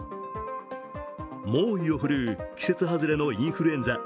猛威を振るう季節外れのインフルエンザ。